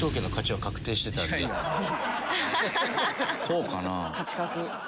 そうかな？